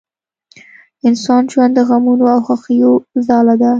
انسان ژوند د غمونو او خوښیو ځاله ده